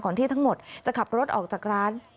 ที่ทั้งหมดจะขับรถออกจากร้าน